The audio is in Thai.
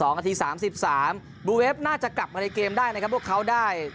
นาที๓๓บลูเวฟน่าจะกลับมาในเกมได้นะครับพวกเขาได้